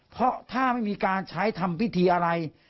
เพราะถ้าไม่มีการใช้ทำพิธีอะไร